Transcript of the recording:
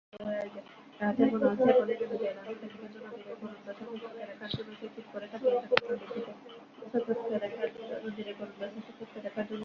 VAT প্রত্যাহারের দাবিতে গতকাল রোববার চট্টগ্রাম নগরে সড়ক অবরোধ করেছেন বেসরকারি বিশ্ববিদ্যালয়ের শিক্ষার্থীরা।